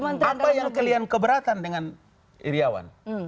apa yang kalian keberatan dengan iryawan